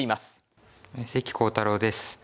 関航太郎です。